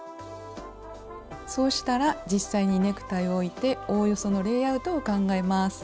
そうしたら実際にネクタイを置いておおよそのレイアウトを考えます。